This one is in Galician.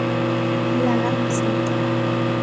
Aí agarda o Celta.